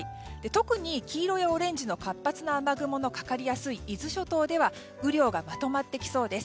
特に黄色やオレンジの活発な雨雲がかかりやすい伊豆諸島では雨量がまとまってきそうです。